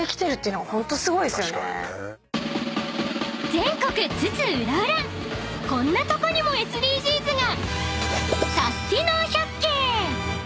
［全国津々浦々こんなとこにもＳＤＧｓが！］